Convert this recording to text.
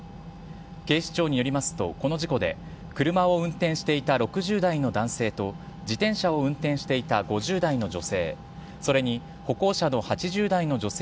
警視庁によりますと、この事故で、車を運転していた６０代の男性と自転車を運転していた５０代の女